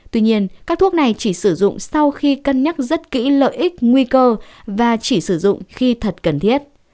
tuy nhiên các thuốc này chỉ sử dụng sau khi cân nhắc rất kỹ lợi ích nguy cơ và chỉ sử dụng khi thật cần thiết